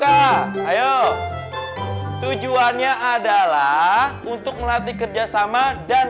tujuannya diadakannya ekstrak kulikuler pramuka ayo tujuannya adalah untuk melatih kerjasama dan